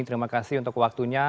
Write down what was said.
terima kasih untuk waktunya